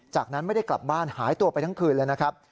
จากนั้นไม่ได้กลับบ้านหายตัวไปทั้งคืนเลยนะครับ